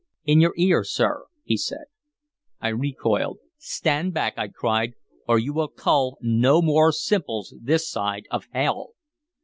"In your ear, sir," he said. I recoiled. "Stand back," I cried, "or you will cull no more simples this side of hell!"